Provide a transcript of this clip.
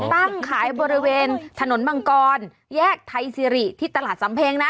ตั้งขายบริเวณถนนมังกรแยกไทยซิริที่ตลาดสำเพ็งนะ